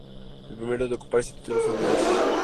El primero en ocupar este título fue Mons.